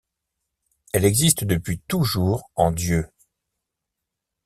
Elle existe depuis toujours en Dieu.